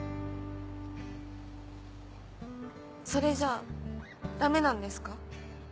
それじゃダメなんですか？